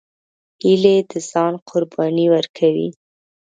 هیلۍ د ځان قرباني ورکوي